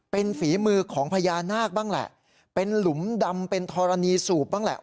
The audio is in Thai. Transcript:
เป็นฝีมือของพญานาคบ้างแหละเป็นหลุมดำเป็นธรณีสูบบ้างแหละ